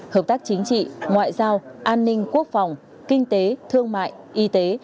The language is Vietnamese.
hợp tác chính trị ngoại giao an ninh quốc phòng kinh tế thương mại y tế